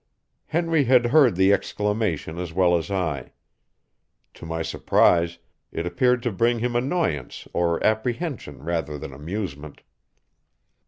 Henry had heard the exclamation as well as I. To my surprise, it appeared to bring him annoyance or apprehension rather than amusement.